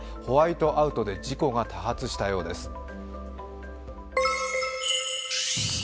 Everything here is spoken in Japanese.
ホワイトアウトで事故が多発したようです。